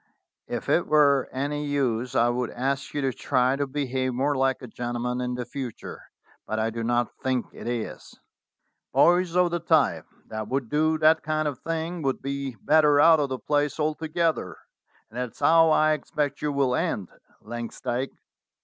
If it were any use I would ask you to try to behave more like a gentleman in the future, but I do not think it is. Boys of the type that would do that kind of thing would be better out of the place altogether, and that is how I expect you will end, Langsdyke.